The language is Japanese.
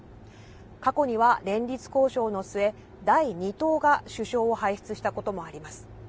過去には連立交渉の末、第２党が首相を輩出したこともあります。